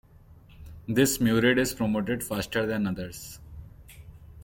This Murid is promoted faster than others.